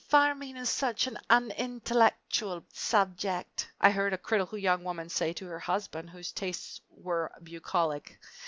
"Farming is such an unintellectual subject," I heard a critical young woman say to her husband, whose tastes were bucolic.